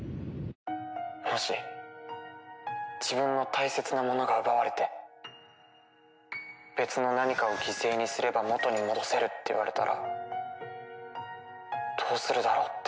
もし自分の大切なものが奪われて別の何かを犠牲にすれば元に戻せるって言われたらどうするだろうって。